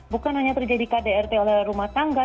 bukan hanya terjadi kdrt oleh rumah tangga